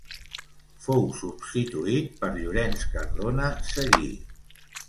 Fou substituït per Llorenç Cardona Seguí.